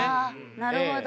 なるほど。